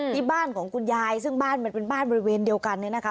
ที่บ้านของคุณยายซึ่งบ้านมันเป็นบ้านบริเวณเดียวกันเนี่ยนะคะ